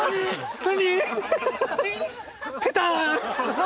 何？